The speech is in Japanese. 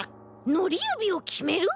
のりゆびをきめる？